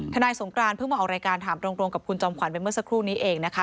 นายสงกรานเพิ่งมาออกรายการถามตรงกับคุณจอมขวัญไปเมื่อสักครู่นี้เองนะคะ